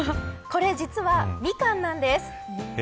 これ実は、ミカンなんです。